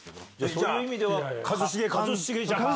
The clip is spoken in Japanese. そういう意味では一茂ジャパン。